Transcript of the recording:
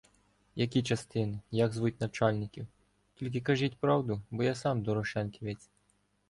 — Які частини? Як звуть начальників? Тільки кажіть правду, бо я сам до- рошенківець.